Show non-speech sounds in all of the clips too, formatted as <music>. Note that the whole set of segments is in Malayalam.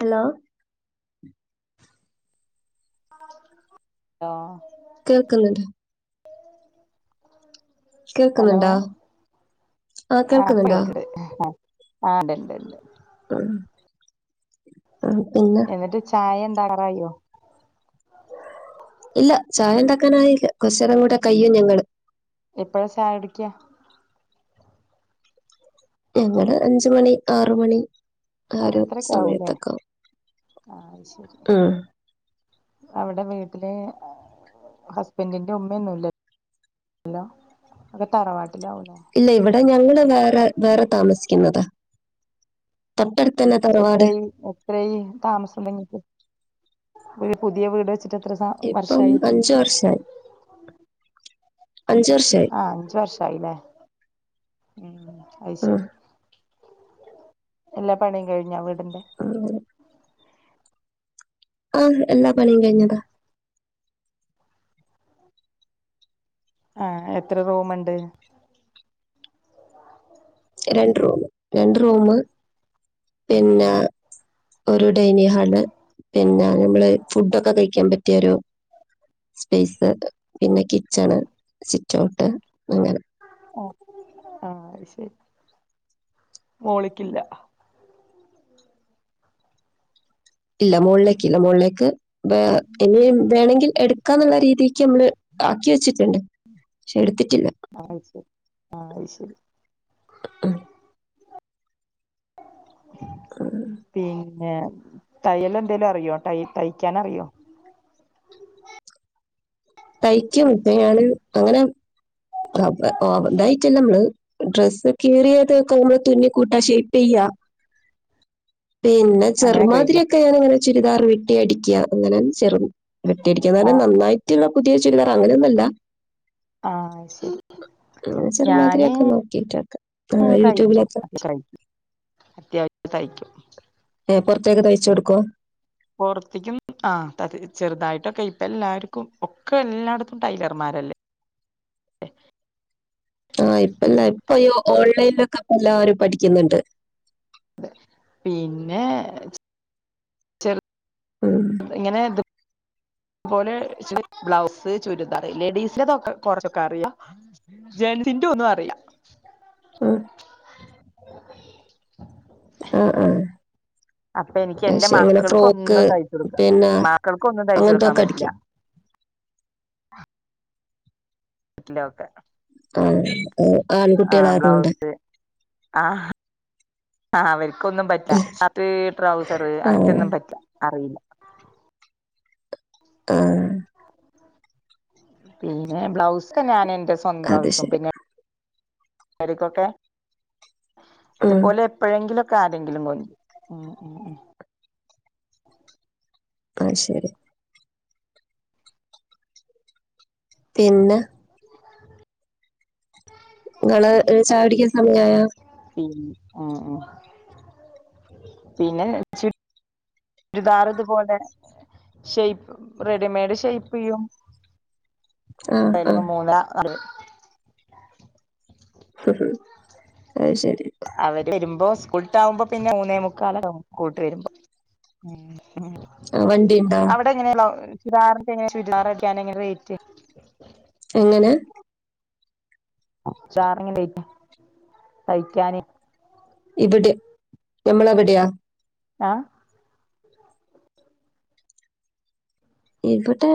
ഹലോ ലോ. കേക്ക്ന്നുണ്ട്. ഹലോ കേൾക്കുന്നുണ്ടോ ആ ആപ്പ കേൾക്കുന്നുണ്ടോ കേൾക്കട് ആണ്ട്ണ്ട് ഉണ്ട് ആഹ ആ എന്നിട്ട് ചായ ഉണ്ടാകറായോ ഇല്ല ചായ തക്കനായില്ല കൊറച്ചറ കൂടെ കയ്യും ഞങ്ങൾ എപ്പോഴാ ചായടിക്കിയ ഞങ്ങള് അംജ് മണി ആറ് മണി ആ ഒരു അത്രക്കെ ആവൂലേ സമയത്തൊക്കെ ആവും. ആ അത് ശരി ഉം. അവിടെ വീട്ടില് ഹസ്ബൻന്റെ ഉമ്മൊന്നുമല്ല ഹലോ ഒക്കെ തറവാട്ടിലാവലോ ഇല്ല ഇവിടെ ഞങ്ങള് വേറെ വേറെ താമസിക്കുന്നതാ തൊട്ടടുത്ത് തന്നെ തറവാട് എത്രയി എത്രയി താമസംതുടങ്ങീട്ട് ഒരു പുതിയ വീട് വെച്ചിട്ട്എത്ര ഇപ്പം അഞ്ച് വർഷായി അഞ്ച് വർഷായി ആഹ് അഞ്ച് വർഷായില്ലേ ഉം അത് ഉം, ശരി എല്ലാ പണിം കഴിഞ്ഞാ വീടിന്റെ അതെ ആഹ് എല്ലാ പണിയും കഴിഞ്ഞതാ ആഹ് എത്ര റൂമെണ്ട് രണ്ട് റൂമ് രണ്ട് റൂമ് പിന്ന ഒരു ഡൈനിങ്ങ് ഹാള് പിന്നെ നമ്മള് ഫുഡൊക്കെ കഴിക്കാൻ പറ്റിയൊരു സ്പേസ് പിന്നെ കി ച്ചണ് സിറ്റോട്ട് അങ്ങന ഓ ആഹ് ശരി മോളിക്കില്ല ഇല്ല മോളിലേക്ക് ഇല്ല മോളിലേക്ക് വ ഇനി വേണെങ്കിൽ എടുക്കാന്നുള്ള രീതിക്ക് മ്മള് ആക്കി വെച്ചിട്ട്ണ്ട് പക്ഷെ എടുത്തിട്ടില്ല ആ ശരി ആ ശരി <unintelligible> <inaudible> ആഹ് പിന്നെ തയ്യലെന്തേലും അറിയോ തയ് തയ്ക്കാൻ അറിയോ തയ്ക്കും <unintelligible> അങ്ങനെ <unintelligible> ഇതായിറ്റല്ലമ്മള് ഡ്രസ് കീറിയതൊക്ക ആവുമ്പോ തുന്നിക്കൂട്ടാ ഷേപ്പെയ്യാ പിന്നെ അങ്ങനെയൊക്കെ വരില്ലേ ചെറുമാതിരിയൊക്കെ ഞാനിങ്ങനെ ചുരിദാർ വെട്ടി അടിക്ക്യാ അങ്ങനെ ചെറു വെട്ടി അടിക്കാന്ന് പറഞ്ഞാ ആഹ് നന്നായിട്ട്ള്ള പുതിയ ചുരിദാറങ്ങനെയൊന്നല്ല ആഹ് അത് ശരി അങ്ങനെ ചെറുമാതിരിയക്ക നോക്കീട്ടക്ക ആ തയ്ക്കും അ <unintelligible> അത്യാവശ്യം തയ്ക്കും ഏ പുറത്തേക്ക് തയ്ച്ചെടുക്കോ പൊറത്തേക്കും ആ <unintelligible> ചെറുതായിട്ടൊക്കെ ഇപ്പ എല്ലാരിക്കും ഒക്കെ എല്ലാട്ത്തും ടൈലർമാരല്ലേ ആഹ് ഇപ്പല്ല ഇപ്പ ഈ ഓൺലൈനിലൊക്കെ ഇപ്പ എല്ലാവരും പഠിക്കുന്നുണ്ട് അതെ പിന്നെ ചെറു ആഹ് ഇങ്ങനെ ത് തുപോലെ <unintelligible> ബ്ലൗസ് ചുരിദാറ് ലേഡീസ്ൻ്റതൊക്കെ കൊറച്ചൊക്കെ അറിയാ ജൻസിന്റെ ഒന്നു അറിയ ആഹ് ആഹ് ആഹ് അപ്പൊ എനിക്ക് എന്റെ അയ്ശെരി അങ്ങനെ മക്കൾക്ക് ഫ്രോക്ക് ഒന്നും തയ്ച്ചു കൊടുക്കാം പിന്ന മക്കൾക്കൊന്നും തയ്ച്ചു കൊടുക്കാൻ അങ്ങനത്തൊക്കെ പറ്റില്ല അടിക്കും ട്ടിലൊക്കെ ആഹ് ഏഹ് ആൺകുട്ടികളാരതൊണ്ട് ബ്ലൗസ് ആഹ് ആഹാ അവരിക്കൊന്നും പറ്റില്ല അത് ട്രൗസർ അങ്ങനത്തെ ആഹ് ഒന്നും പറ്റില്ല അറിയില്ല. ആഹ് പിന്നെ ബ്ലൗസ് ഞാൻ എന്റെ സ്വന്തം അത് ബ്ലൗസും ശരി. പിന്നെ <unintelligible> ഉം തുപോലെ എപ്പോഴെങ്കിലും ഒക്കെ ആരെങ്കിലും കൊണ്ട് ഉം ഉം ഉം അത് ശരി. പിന്നെ? <inaudible> ഇങ്ങള് ചായ കുടിക്കാൻ സമയായോ? പിന്ന് ആഹ് ആഹ് പിന്നെ ചു രിതാറ് ഇതുപോലെ ഷെയ്പ് റെഡിമേഡ് ഷെയ്പ്പെയ്യും. ആഹ് അയില് ആഹ് <unintelligible> അത് ശരി. അവര് വരുമ്പോ സ്കൂള്ട്ട് ആവുമ്പോ പിന്നെ മൂന്നേ മുക്കാലൊക്കാവും സ്ക്കൂള്ട്ട് വരുമ്പം ആഹ് വണ്ടിയിണ്ടോ? അവ്ടെ എങ്ങനേണ് ചുരി ചുരിദാർ അടിക്കാനെങ്ങനെ റേറ്റ്? എങ്ങനെ? <unintelligible> തയ്ക്കാന്? ഇവിടെയാ നമ്മളെ ഇവിടെയാ? ആഹ് ഇബടേ?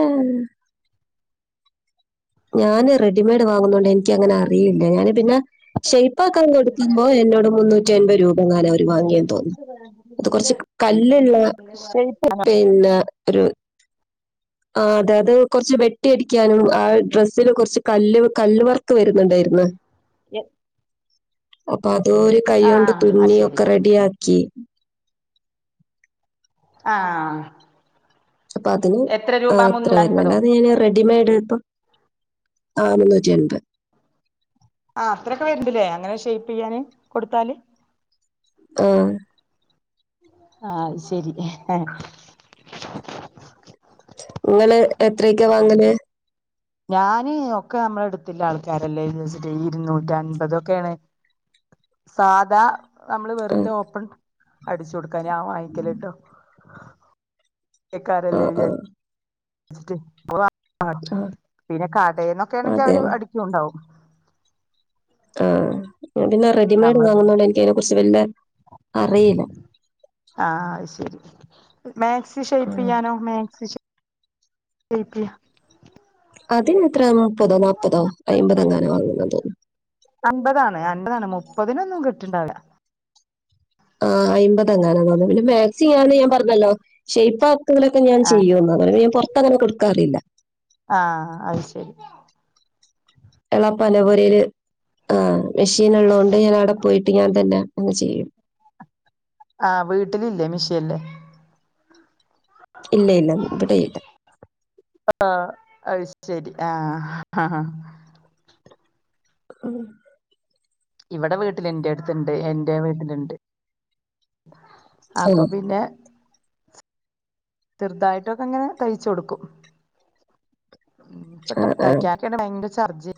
ഞാന് റെഡിമേഡ് വാങ്ങുന്നോണ്ട് ഇനിക്ക് അങ്ങനെ അറിയില്ല ഞാന് പിന്നെ ഷെയ്പ്പാക്കാൻ കൊടുക്കുമ്പോ എന്നോട് മുന്നൂറ്റി അൻപത് രൂപ എങ്ങാനോ ഓര് വാങ്ങിയെന്ന് തോന്നുന്നു അത് കൊറച്ച് കല്ല് ഇള്ള ഷേയ്പ്പാണോ? പിന്നെ ഒരു ആഹ് അതെ അത് കൊറച്ച് വെട്ടിയടിക്കാനും ആ ഡ്രസ്സില് കൊറച്ച് കല്ല് കല്ല് വർക്ക് വരുന്നുണ്ടായിരുന്ന് അപ്പൊ അത് ഓര് കയ്യോണ്ട് ആഹ് അത് തുന്നി ശരി ഒക്കെ റെഡിയാക്കി ആഹ് അപ്പൊ അതിന് എത്ര രൂപ ആഹ് അത്ര മുന്നൂറ്റി വരുന്നെ അൻപതോ അല്ലാതെ ഞാൻ റെഡി മേട് ഇപ്പം ആഹ് മുന്നൂറ്റി എൺപത് ആഹ് അത്രൊക്കെ വര്ണ്ട്ല്ലേ? അങ്ങനെ ഷേയ്പ്പ് ചെയ്യാന് കൊടുത്താല്? ആഹ് ആഹ് അഹ്ശരി ഇങ്ങള് എത്രയെക്കെ വാങ്ങല്? ഞാന് ഒക്കെ അമ്മളെ എടുത്തില്ലെ ആൾക്കാരല്ലേന്ന് വെച്ചിട്ട് ഇരുന്നൂറ്റ് അൻപത് ഒക്കെയാണ് സാധാ നമ്മള് ആ വെറുതെ ഓപ്പൺ അടിച്ചു കൊടുക്കാൻ ഞാൻ വാങ്ങിക്കല്ട്ടോ ആ ലെക്കാരല്ലേ വിചാരി ച്ചിട്ട് ഓഹ് ആ ആ പിന്നെ കാടേന്നൊക്കെ ആണെങ്കി അതെ അവര് അടിക്കുയുണ്ടാവും ആഹ് ഞാൻ പിന്നെ റെഡിമേഡ് നമ്മള് വാങ്ങുന്നോണ്ട് എനിക്ക് അയിനെ കുറിച്ച് വല്ല അറീല ആഹ് അത് ശരി മാക്സി ഷേയ്പ്പെയ്യാനോ? മാക്സി ശെയ് ഷെയ്പ്പെയ്യാൻ? അത് ഇഞ്ഞെത്രെ മുപ്പതോ നാപ്പതോ അയ്മ്പത് എങ്ങാനോ ആണ്ന്ന തോന്നുന്നു അൻപതാണ് അൻപതാണ് മുപ്പതിനൊന്നും കിട്ടിണ്ടാവില ആഹ് അയ്മ്പത് എങ്ങാനു തോന്ന്ണ്ട് പിന്നെ മാക്സി ഞാൻ പറഞ്ഞല്ലോ ഷൈപ്പ് ആക്കലൊക്കെ ഞാൻ ചെയ്യുന്നു പറഞ്ഞെ അപ്പൊ ഞൻ പൊറത്ത് അങ്ങനെ കൊടുക്കാറില്ല. ആഹ് അത് ശരി. എളാപ്പാന്റെ പൊരേല ആഹ് മെഷീന് ഇള്ളോണ്ട് ഞാൻ ആടെ പോയിട്ട് ഞാൻ തന്നെ അങ് ചെയ്യും. ആഹ് വീട്ടിലില്ലേ മീഷേൻ ഇല്ലേ? ഇല്ലയില്ല ഇബടെയില്ല ആഹ് അത് ശരി ആഹ് ആഹാ ആഹ് ഇവിടെ വീട്ടിൽ എന്റെ അടുത്ണ്ട് എന്റെ വീട്ടിലുണ്ട് അപ്പൊ ആഹ് പിന്നെ ചെറുതായിട്ടൊക്കെ അങ്ങനെ തയ്ച് കൊടുക്കും മം ഇപ്പോ ആഹ് ആഹ് തൈക്കാനൊക്കെ ഭയങ്കര ചാർജ്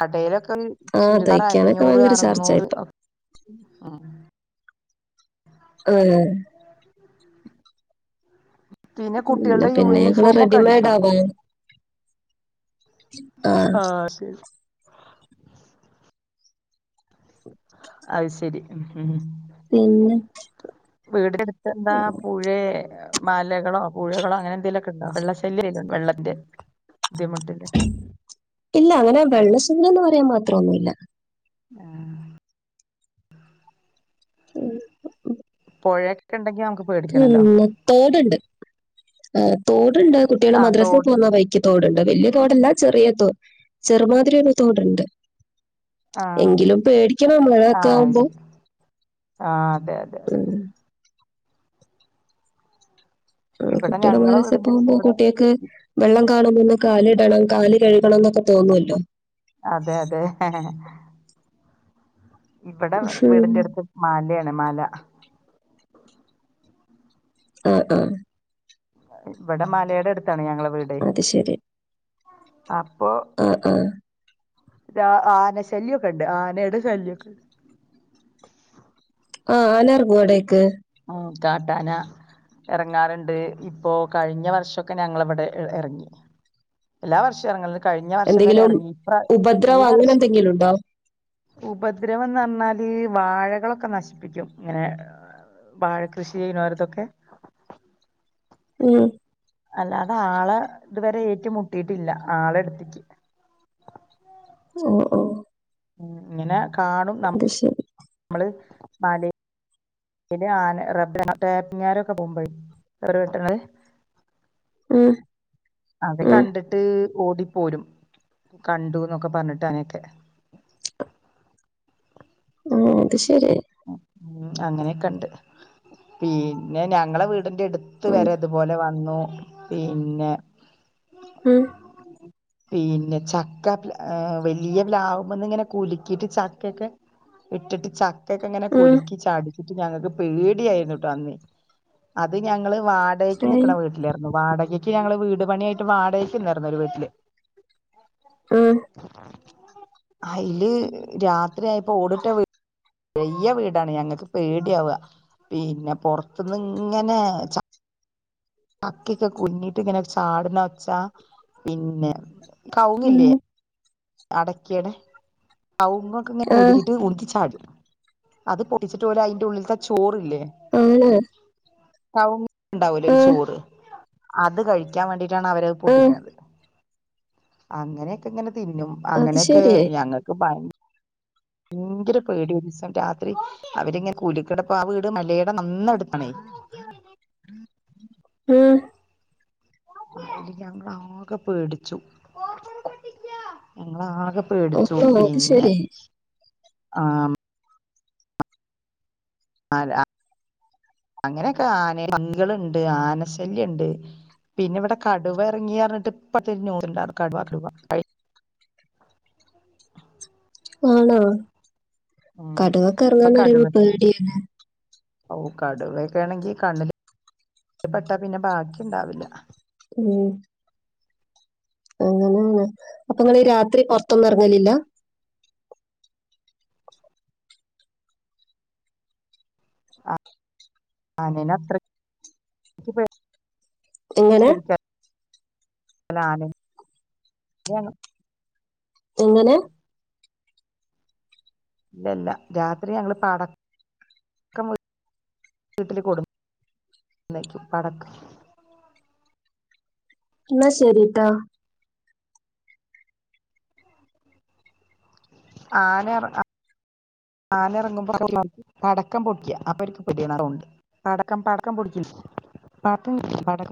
കടയിലൊക്കെ ആഹ് ചുരിദാറ് തയ്ക്കാനൊക്കെ അഞ്ഞൂറ് ഭയങ്കര ചാർജാ അറുന്നൂറ് ഇപ്പൊ ആഹ് പിന്നെ കുട്ടികളുടെ പിന്നെ ഞങ്ങള് യൂണിഫോമൊക്കെ അടിച്ചു റെഡിമെയഡ് ആ കൊടുക്കും വാങ്ങി ആഹ് അത് ശരി അത് ശരി മം മം പിന്നെ വീട് അടുത്ത് എന്താ പുഴേ മലകളോ പുഴകളോ അങ്ങനെ എന്തെലൊ ക്കേണ്ടോ? വെള്ള ശല്യ വെള്ളത്തിന്റെ ബുദ്ധിമുട്ടില്ലേ ഇല്ല അങ്ങനെ വെള്ള ശല്യന്ന് പറയാൻ മാത്രം ഒന്നുമില്ല ആഹ് ഉം പുഴൊക്ക ഉണ്ടെങ്കിൽ നമുക്ക് പേടിക്കണല്ലോ പിന്നെ തോടുണ്ട്, തോടുണ്ട് കുട്ടികളെ ആഹ് മദ്രസെൽ തോട് പോവാണ ബഴിക്ക് തോടുണ്ട് വലിയ തോടല്ല ചെറിയതോ ചെറുമാതിരിയ ഒരു തോടുണ്ട് ആഹ് എങ്കിലും പേടിക്കണം മഴൊക്കെ ആഹ് അത് ആവുമ്പോ ശരി ആഹ് അതെ അതെ അതെ ആഹ് ഇവിടെ കുട്ടികള് ഞങ്ങളെ മദ്രസേ വീടിന്റെ അടുത്ത് പോകുമ്പോ ഇവിടെ കുട്ടിയെക് വെള്ളം കാണുമ്പോ ഒന്ന് കാലിടണം കാല് കഴുകണം എന്നൊക്കെ തോന്നുമല്ലോ അതെ അതെ ഇവിടെ ഉം. വീടിന്റെ അടുത്ത് മലയാണ് മല ആഹ് ആഹാ ഇവിടെ മലയുടെ അടുത്താണ് ഞങ്ങള വീട് അത് ശരി അപ്പൊ ആ ആ ആന ശല്യമൊക്കെ ഉണ്ട് ആനയുടെ ശല്യൊക്കെണ്ട് ആഹ് ആന ഇറങ്ങുവോ അവിടെയൊക്കെ ആഹ് കാട്ടാന ഇടങ്ങാറുണ്ട് ഇപ്പോ കഴിഞ്ഞ വർഷമൊക്കെ ഞങ്ങള ഇവിടെ ഇറങ്ങി എല്ലാ വർഷവും ഇറങ്ങി കഴിഞ്ഞ വർഷം വരെ എന്തെങ്കിലും ഇറങ്ങി ഇപ്രാ ഈ ഉപദ്രവം അങ്ങനെ വർഷം എന്തെങ്കിലും ഉണ്ടോ ഉപദ്രവന്ന് പറഞ്ഞാല് വാഴകളൊക്കെ നശിപ്പിക്കും ഇങ്ങനെ വാഴ കൃഷി ചെയ്യുന്നവർതൊക്കെ ഉം അല്ലാതെ ആളെ ഇതുവരെ ഏറ്റുമുട്ടിയിട്ടില്ല ആളെടുത്തക്ക് ഓ ഓ ഇങ്ങനെ കാണും അത് ശെരി നമ്മള് മല ഇ ആന റബ <unintelligible> ടാപ്പിങ് കാരൊക്കെ പോകുമ്പോഴെ അവർ വേട്ട്ണത് ആഹ് അത് കണ്ടിട്ട് ഓടിപ്പോരും, കണ്ടു എന്നൊക്കെ പറഞ്ഞിട്ട് അങ്ങെയൊക്കെ ആഹ് അത് ശരി ഉം അങ്ങനെയൊക്കെ ഉണ്ട് പിന്നെ ഞങ്ങളെ വീടിന്റെ അടുത്ത് ഉം, വരെ ഇതുപോലെ വന്നു പിന്നെ ഉം, പിന്നെ ചക്ക വലിയ പ്ലാവുമ്മേന്ന് ഇങ്ങനെ കുലുക്കിയിട്ട് ചക്ക ഒക്കെ ഇട്ടിട്ട് ചാ ഒറ്റക്കിങ്ങനെ ഉം. കുലുക്കി ചാടിച്ചിട്ട് ഞങ്ങക്ക് പേടിയാരുന്നു ഇട്ടോ അന്ന് അത് ഞങ്ങള് വാടകയ്ക്ക് നിക്കണ വീട്ടിലായിരുന്നു വാടകയ്ക്ക് ഞങ്ങള് വീട് പണിയായിട്ട് വാടകക്ക് നിന്നിരുന്നു ഒരു വീട്ടില് ആഹ് അയില് രാത്രി ആയപ്പോ ഓടിട്ട വീ വെയ്യ വീടാണ് ഞങ്ങക്ക് പേടിയാവുക പിന്നെ പൊറത്തൂന് ഇങ്ങനെ ച കക്കക്കെ കുഞ്ഞിട്ടി ഇങ്ങനെ ചാടുന്നൊ ഒച്ച പിന്നെ ഉം കവുങ്ങില്ലേ അടയ്ക്കേടെ കവുങ്ങോക്കെ ഇങ്ങനെ ആഹ് കൂലിക്കീട്ട് ഉന്തി ചാടും അത് പൊട് ട്ടിച്ചിട്ട് അയിന്റ ഉള്ളിലത്തെ ചോറില്ലേ ആണ് കൗങ്ങ് ഉണ്ടാവൂലേ ഒരു ആഹ് ചോറ് അത് കഴിക്കാൻ വേണ്ടിട്ടാണ് അവരത് ആഹ് പൊട്ടിക്കണത് അങ്ങനെയൊക്കെ ഇങ്ങനെ തിന്നും അത് അങ്ങനെയൊക്കെ ശരി ഞങ്ങക്ക് ഭയങ്ക് ഭങ്കര പേടി ഒരു ദിവസം രാത്രി അവരിങ്ങനെ കൂലിക്കടപ്പ ആ വീട് മലയുടെ നന്നേ എടുത്തണേ ഏഹ് അയ്ല് ഞങ്ങളാകെ പേടിച്ചു ഞങ്ങളാകെ പേടിച്ചു ആണോ അത് പിന്നെ ശരി ആഹ് അതാ അങ്ങനൊക്കെ ആന പന്നികളുണ്ട് ആന ശല്യോണ്ട് പിന്നിവിടെ കടുവ എറങ്ങിയറഞ്ഞിട്ട് ഇപ്പ തിരിഞ്ഞോടുണ്ടായിരുന്നു കടുവ കടുവ ക ആണോ ഉം കടുവക്കെ ഇറങ്ങാന്നറിയുമ്പോ പേടിയന്നെ ഓഹ് കടുവ ഒക്കെ ആണെങ്കി കണ്ണില് പെട്ടാ പിന്നെ ബാക്കി ഉണ്ടാവില്ല ഉം അങ്ങനെണ് അപ്പം ഇങ്ങള് രാത്രീ പൊറത്തൊന്നും എറങ്ങലില്ല ആഹ് ആനെനെ അത്രക്ക് എങ്ങനെ <unintelligible> എങ്ങനെ ഇല്ലല്ല രാത്രി ഞങ്ങള് പടക് ക്കം വീട്ടിലു കൊടു ന്നെയ്ക്കും പടക്കം എന്നാ ശരീട്ടോ ആന എറങ്ങാ ആന എറങ്ങുമ്പം പടക്കം പൊട്ടിയാ അപ്പ അവർക്ക് പേടിയാണ് ആസൗണ്ട് പടക്കം പടക്കം പൊടിക്കില്ലേ പടക്കം പെട്ടി പെട്ടിക്കില്ലേ പടക്കം